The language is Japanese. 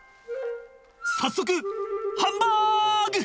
早速ハンバーグ！